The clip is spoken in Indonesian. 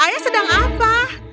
ayah sedang apa